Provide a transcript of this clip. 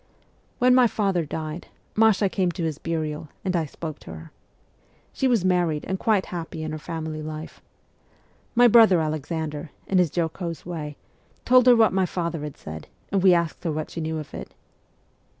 When my father died, Masha came to his burial, and I spoke to her. She was married, and quite happy in her family life. My brother Alexander, in his jocose way, told her what my father had said, and we asked her what she knew of it.